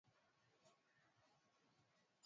Mkoa wa Magharibi katika lugha ya kigeni